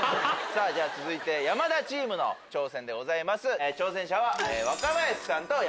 続いて山田チームの挑戦でございます。